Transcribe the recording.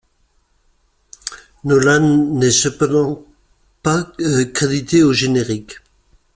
Nolan n'est cependant pas crédité au générique.